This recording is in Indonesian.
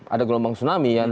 ada gelombang tsunami